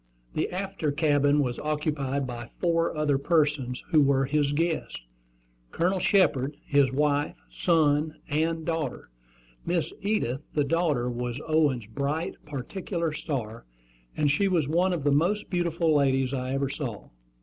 The after cabin was occupied by four other persons, who were his guests, Colonel Shepard, his wife, son, and daughter. Miss Edith, the daughter, was Owen's "bright particular star," and she was one of the most beautiful young ladies I ever saw.